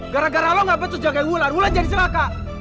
gara gara lu gak becu jagain wulan wulan jadi celaka